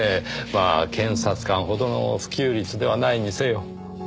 まあ検察官ほどの普及率ではないにせよ。